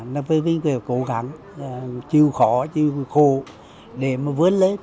nó phải cố gắng chịu khổ chịu khổ để mà vớt lên